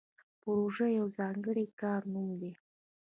پروژه د یو ځانګړي کار نوم دی